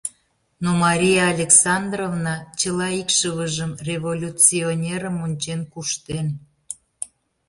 Но Мария Александровна чыла икшывыжым революционерым ончен куштен.